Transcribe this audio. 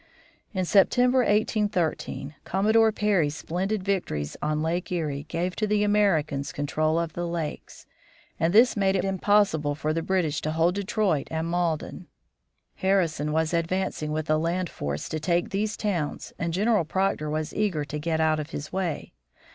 In September, 1813, Commodore Perry's splendid victories on Lake Erie gave to the Americans control of the Lakes, and this made it impossible for the British to hold Detroit and Malden. Harrison was advancing with a land force to take these towns and General Proctor was eager to get out of his way.